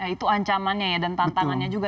itu ancamannya ya dan tantangannya juga